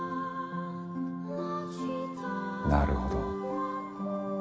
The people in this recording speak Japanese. なるほど。